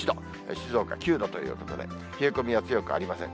静岡９度ということで、冷え込みは強くありません。